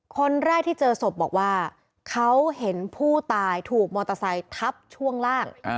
คนแรกที่เจอศพบอกว่าเขาเห็นผู้ตายถูกมอเตอร์ไซค์ทับช่วงล่าง